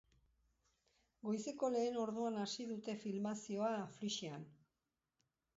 Goizeko lehen orduan hasi dute filmazioa, flyschean.